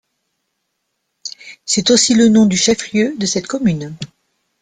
C'est aussi le nom du chef-lieu de cette commune.